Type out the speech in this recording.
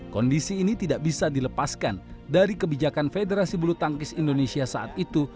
kondisi ini tidak bisa dilepaskan dari kebijakan federasi bulu tangkis indonesia saat itu